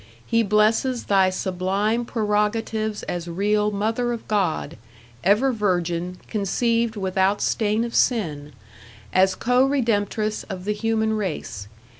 He blesses thy sublime prerogatives as real Mother of God, ever Virgin, conceived without stain of sin, as co Redemptress of the human race.